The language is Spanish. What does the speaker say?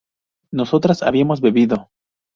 ¿nosotras habíamos bebido?